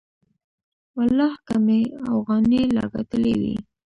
ولله که مې اوغانۍ لا گټلې وي.